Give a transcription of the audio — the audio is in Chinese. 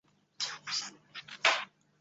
担任广西花红药业股份有限公司董事长。